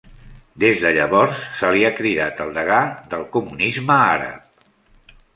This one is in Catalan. Des de llavors se li ha cridat el degà del comunisme àrab.